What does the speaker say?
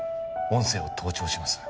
音声を盗聴します